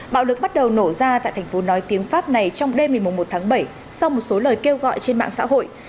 bạo lực bắt đầu nổ ra tại thành phố nói tiếng pháp này trong đêm ngày một tháng bảy sau một số lời kêu gọi trên mạng xã hội